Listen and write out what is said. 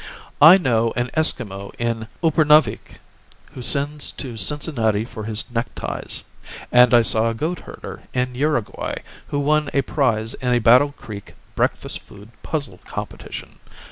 "I know an Esquimau in Upernavik who sends to Cincinnati for his neckties, and I saw a goat herder in Uruguay who won a prize in a Battle Creek breakfast food puzzle competition.